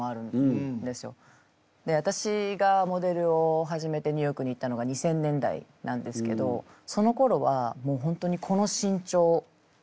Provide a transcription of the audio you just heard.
で私がモデルを始めてニューヨークに行ったのが２０００年代なんですけどそのころはもう本当にこの身長ありき。